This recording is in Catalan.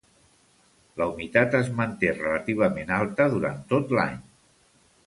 La humitat es manté relativament alta durant tot l'any.